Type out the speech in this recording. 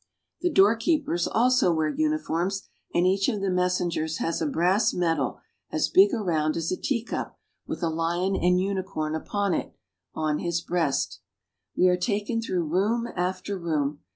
The door keepers also wear uniforms, and each of the messengers has a brass medal as big around as a teacup, with a lion and unicorn upon it, on his breast. Westminster Palace. We are taken through room after room.